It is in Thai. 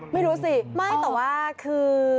ไม่รู้สิไม่แต่ว่าคือ